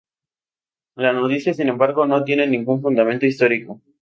La noticia sin embargo, no tiene ningún fundamento histórico.